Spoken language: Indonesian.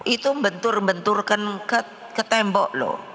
itu membentur benturkan ke tembok loh